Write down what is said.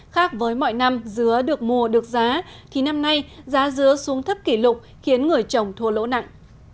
khác với mọi năm dứa được mùa được giá thì năm nay giá dứa xuống thấp kỷ lục khiến người trồng thua lỗ nặng